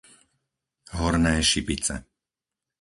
Horné Šipice